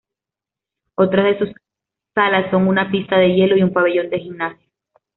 Otras de sus salas son una pista de hielo y un pabellón de gimnasia.